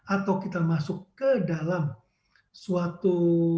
atau kita masuk ke dalam suatu